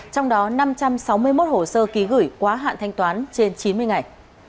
trong đó năm trăm sáu mươi một hồ sơ ký gửi quá hạn thanh toán trên chín mươi ngày